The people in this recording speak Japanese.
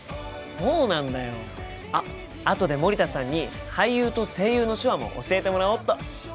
あとで森田さんに「俳優」と「声優」の手話も教えてもらおうっと！